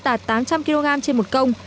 đạt tám trăm linh kg trên một công